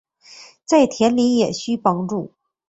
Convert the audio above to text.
在田里也需帮忙